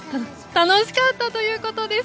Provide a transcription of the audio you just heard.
楽しかったということです。